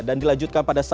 dan dilanjutkan pada selasa